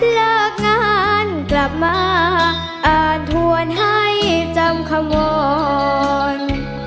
เลิกงานกลับมาอ่านทวนให้จำขมวล